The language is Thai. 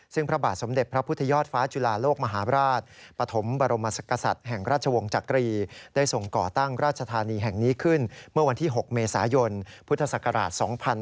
ซึ่งพระบาทสมเด็จพระพุทธยอดฟ้าจุฬาโลกมหาบราชปฐมบรมศักกษัตริย์แห่งราชวงศ์จักรีได้ส่งก่อตั้งราชธานีแห่งนี้ขึ้นเมื่อวันที่๖เมษายนพุทธศักราช๒๕๕๙